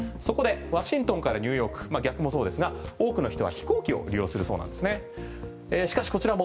そこでワシントンからニューヨーク逆もそうですが多くの人は飛行機を利用するそうなんですね。